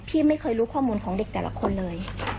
ไม่เคยรู้ข้อมูลของเด็กแต่ละคนเลย